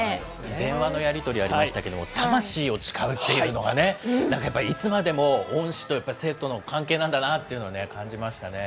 電話のやり取りありましたけれども、魂を誓うっていうのが、なんかやっぱりいつまでも恩師と、やっぱり生徒の関係なんだなっていうの感じましたね。